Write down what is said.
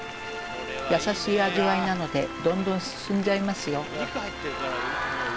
優しい味わいなのでどんどん進んじゃいますよ